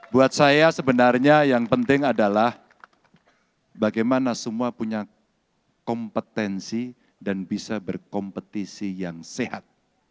buat saya sebenarnya yang penting adalah bagaimana semua punya kompetensi dan bisa berkompetisi yang sehat